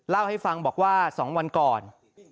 เล่าให้ฟังบอกว่า๒วันก่อน